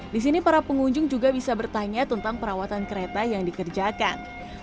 di sini para pengunjung juga bisa bertanya tentang perawatan kereta yang dikerjakan